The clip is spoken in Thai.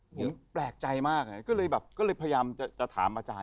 ผมแปลกใจมากก็เลยพยายามจะถามอาจารย์